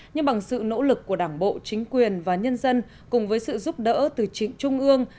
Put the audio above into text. nhưng bằng sự nỗ lực của đảng bộ chính quyền và nhân dân cùng với sự giúp đỡ từ trịnh trung ương